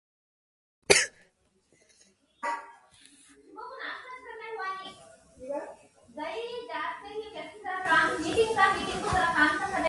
कांग्रेस में इस्तीफों की बारिश, नई-पुरानी पीढ़ी में मतभेद आए सामने